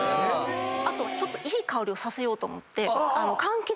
あとはちょっといい香りをさせようと思って。